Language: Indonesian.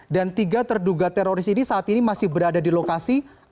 dan tiga terduga teroris ini saat ini masih berada di lokasi